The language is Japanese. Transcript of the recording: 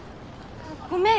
あごめん